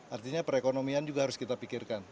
artinya perekonomian juga harus kita pikirkan